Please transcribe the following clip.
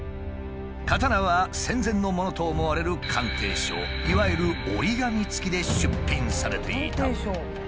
刀は戦前のものと思われる鑑定書いわゆる折り紙付きで出品されていた。